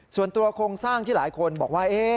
ส่วนตัวโครงสร้างที่หลายคนบอกว่า